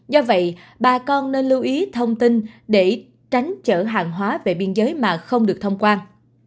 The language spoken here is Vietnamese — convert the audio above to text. do vậy bà con nên lưu ý thông tin để tránh chở hàng hóa về biên giới mà không được thông quan